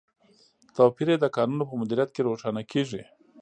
توپیر یې د کانونو په مدیریت کې روښانه کیږي.